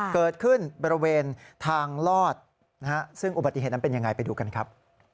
เกิดขึ้นบริเวณทางลอดนะฮะซึ่งอุบัติเหตุนั้นเป็นยังไงไปดูกันครับ